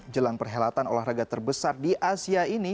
jelang perhelatan olahraga terbesar di asia ini